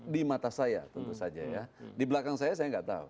di mata saya tentu saja ya di belakang saya saya nggak tahu